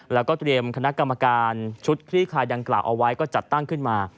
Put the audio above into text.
แล้วก็เตรียมคณะกรรมการชุดคลี่คลายดังกล่าวเอาไว้ก็จัดตั้งขึ้นมา